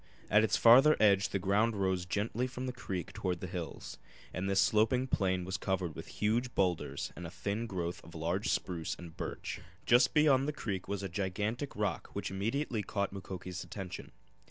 At its farther edge the ground rose gently from the creek toward the hills, and this sloping plain was covered with huge boulders and a thin growth of large spruce and birch. Just beyond the creek was a gigantic rock which immediately caught Mukoki's attention.